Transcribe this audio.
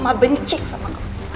mama benci sama kamu